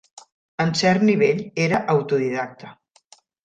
En cert nivell, era autodidacta.